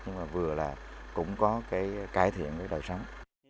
nhưng mà vừa là cũng có cái cải thiện cái đời sống